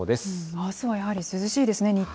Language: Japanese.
あすはやはり涼しいですね、日中も。